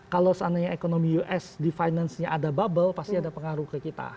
kalau seandainya ekonomi us di finance nya ada bubble pasti ada pengaruh ke kita